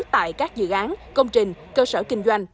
tại các dự án công trình cơ sở kinh doanh